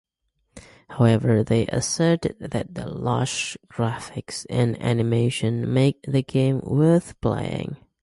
However, they asserted that the "lush" graphics and animation make the game worth playing.